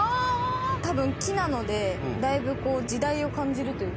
多分木なのでだいぶ時代を感じるというか。